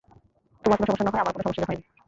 তোমার কোন সমস্যা না হয়, আমারও কোন সমস্যা হয়নি।